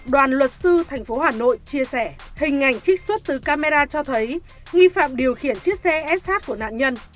đoàn luật sư tp hcm chia sẻ hình ảnh trích xuất từ camera cho thấy nghi phạm điều khiển chiếc xe sh của nạn nhân